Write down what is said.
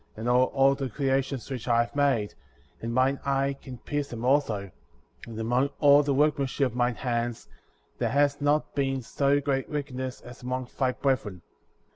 41 and hold all the creations which I have made; and mine eye can pierce them also, and among all tlie workmanship of mine hands*^ there has not been so great wickedness as among thy brethren.